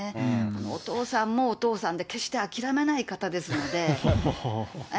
お父さんもお父さんで、決して諦めない方ですので。